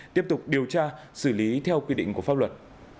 tiếp tục điều tra xử lý theo quy định của pháp luật